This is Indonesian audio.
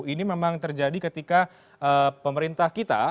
ini memang terjadi ketika pemerintah kita